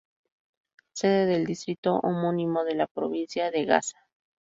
Sede del distrito homónimo de la provincia de Gaza.